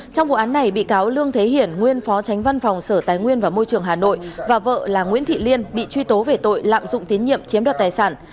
trong vụ án này bị cáo lương thế hiển nguyên phó tránh văn phòng sở tài nguyên và môi trường hà nội và vợ là nguyễn thị liên bị truy tố về tội lạm dụng tín nhiệm chiếm đoạt tài sản